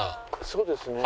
そうですね。